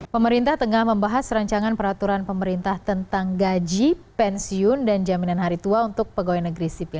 pemerintah tengah membahas rancangan peraturan pemerintah tentang gaji pensiun dan jaminan hari tua untuk pegawai negeri sipil